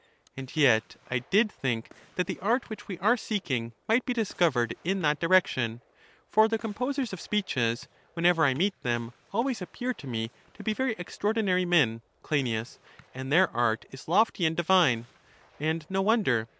And yet I did think that the art which we are seeking might be discovered in that direction; for the composers of speeches, whenever I meet them, ai vays appear to me to be very extraor dinary men, Cleinias, and their art is lofty and divine, and no wonder.